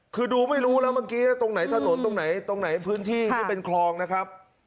คือดูไม่รู้แล้วเมื่อกี้ตรงไหนถนนตรงไหนตรงไหนพื้นที่ที่เป็นคลองนะครับ